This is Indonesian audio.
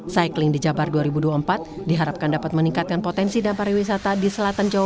cycling di jabar dua ribu dua puluh empat diharapkan dapat meningkatkan potensi dan pariwisata di selatan jawa